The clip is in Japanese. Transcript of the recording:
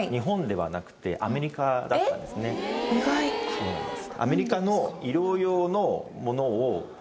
そうなんです。